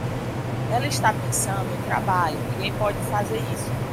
Ela está pensando em trabalho, ninguém pode fazer isso.